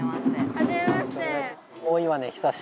はじめまして。